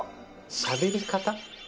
しゃべり方？